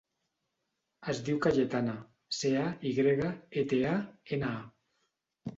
Es diu Cayetana: ce, a, i grega, e, te, a, ena, a.